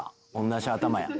同じ頭や」